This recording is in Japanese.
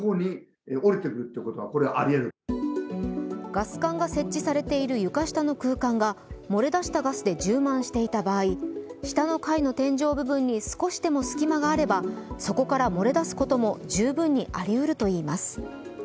ガス管が設置されている床下の空間が漏れ出したガスで充満していた場合、下の階の天井部分に少しでも隙間があればそこから漏れ出すことも十分にありうるといいます。